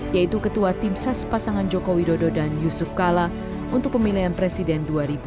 yaitu ketua timsas pasangan joko widodo dan yusuf kalla untuk pemilihan presiden dua ribu empat belas